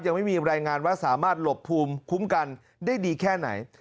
ยังไม่มีรายงานว่าสามารถหลบภูมิคุ้มกันได้ดีแค่ไหน